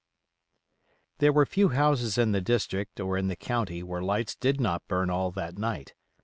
There were few houses in the district or in the county where lights did not burn all that night.